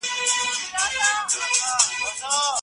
هر کار د خدای د رضا لپاره وکړئ.